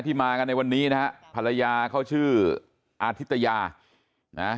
มากันในวันนี้นะฮะภรรยาเขาชื่ออาทิตยานะ